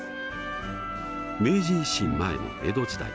明治維新前の江戸時代